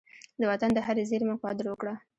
د وطن د هرې زېرمي قدر وکړه.